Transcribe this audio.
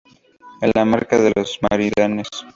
En la comarca de Las Merindades.